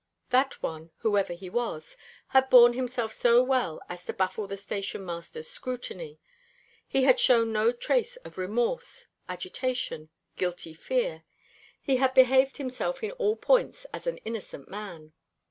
That one, whoever he was, had borne himself so well as to baffle the station master's scrutiny. He had shown no trace of remorse, agitation, guilty fear. He had behaved himself in all points as an innocent man.